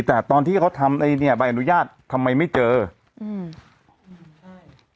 แต่ตอนที่เขาทำไอ้เนี้ยใบอนุญาตทำไมไม่เจออืมใช่